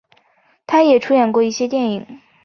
他也出演过一些电影。